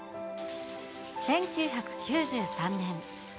１９９３年。